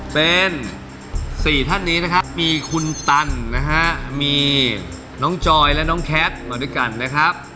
เป็น๔ท่านนี้นะครับมีคุณตันนะฮะมีน้องจอยและน้องแคทมาด้วยกันนะครับ